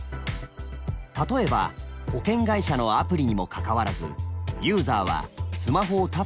例えば保険会社のアプリにもかかわらずユーザーはスマホをタップするだけで２４時間